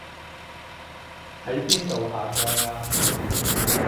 喺邊度下載啊